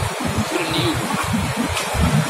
Fren yiwen.